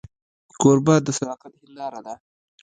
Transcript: کوربه د صداقت هنداره ده.